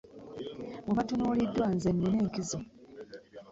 Mu batunuuliddwa nze nnina enkizo.